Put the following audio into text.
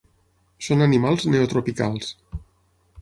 Són animals neotropicals.